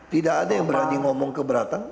tidak ada yang berani ngomong keberatan